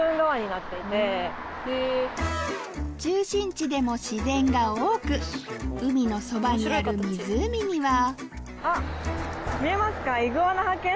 中心地でも自然が多く海のそばにある湖には見えますか？